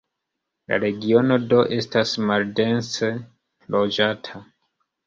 La regiono do estas maldense loĝata.